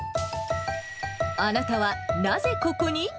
あなたはなぜここに？